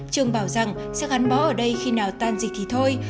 trường bảo rằng sẽ gắn bó ở đây khi nào tan dịch thì thôi